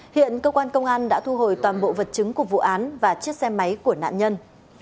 hiện cơ quan công an đã thu hồi toàn bộ vật chứng của vụ án và chiếc xe máy của nạn nhân